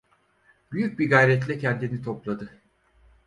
Büyük bir gayretle kendini topladı: